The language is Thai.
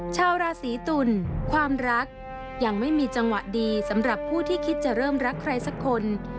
ชาวราศีตุลความรักยังไม่มีจังหวะดีสำหรับผู้ที่คิดจะเริ่มรักใครสักคน